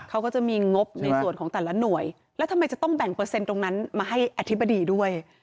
เขาก็จะมีงบในส่วนของแต่ละหน่วยแล้วทำไมจะต้องแบ่งเปอร์เซ็นต์ตรงนั้นมาให้อธิบดีด้วย